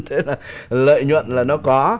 thế là lợi nhuận là nó có